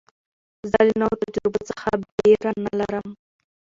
زه له نوو تجربو څخه بېره نه لرم.